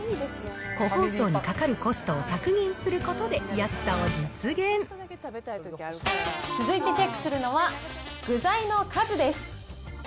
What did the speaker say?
個包装にかかるコストを削減することで、続いてチェックするのは、具材の数です。